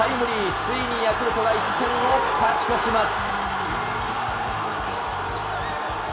ついにヤクルトが１点を勝ち越します。